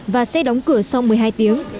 và sẽ đóng cửa sau một mươi hai tiếng